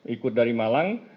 ikut dari malang